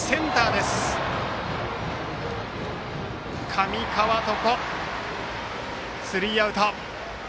上川床がとってスリーアウト。